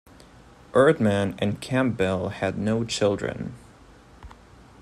Erdman and Campbell had no children.